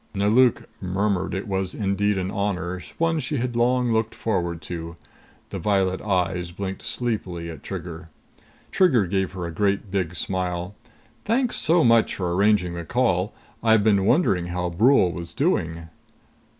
Nelauk murmured it was indeed an honor, one she had long looked forward to. The violet eyes blinked sleepily at Trigger. Trigger gave her a great big smile. "Thanks so much for arranging for the call. I've been wondering how Brule was doing."